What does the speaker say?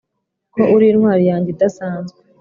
ko uri intwari yanjye idasanzwe,